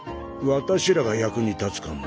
私らが役に立つかも。